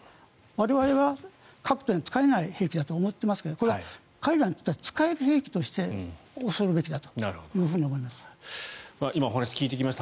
我々は核は使えない兵器だと思っていますが彼らにしては使える兵器だと恐れるべきだと思います。